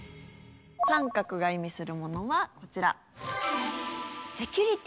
△が意味するものはこちら。